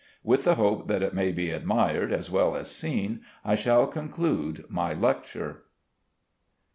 With the hope that it may be admired as well as seen I shall conclude my lecture.